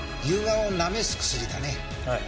はい。